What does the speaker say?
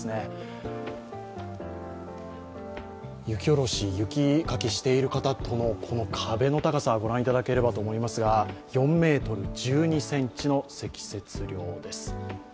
雪下ろし、雪かきしている方との壁の高さ、御覧いただければと思いますが４ｍ１２ｃｍの積雪量です。